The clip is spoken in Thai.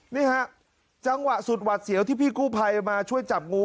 นี่ฮะจังหวะสุดหวัดเสียวที่พี่กู้ภัยมาช่วยจับงู